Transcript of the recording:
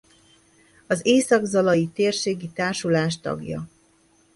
Az Észak-Zalai Térségi Társulás tagja.